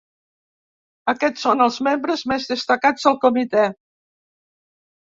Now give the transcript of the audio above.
Aquests són els membres més destacats del comitè.